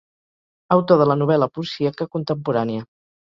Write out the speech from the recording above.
Autor de la novel·la policíaca contemporània.